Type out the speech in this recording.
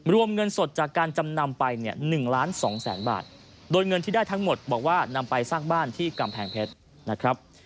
รวมเงินสดจากการจำนำไปเนี่ย๑ล้านสองแสนบาทโดยเงินที่ได้ทั้งหมดบอกว่านำไปสร้างบ้านที่กำแพงเพชรนะครับ